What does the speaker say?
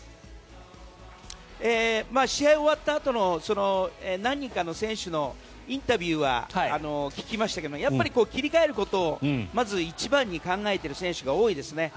試合終わったあとの何人かの選手のインタビューは聞きましたけれども切り替えることを一番に考えている選手が多いですね。